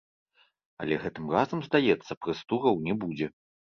Але гэтым разам, здаецца, прэс-тураў не будзе.